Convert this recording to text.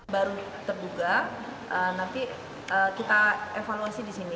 baru terduga nanti kita evaluasi di sini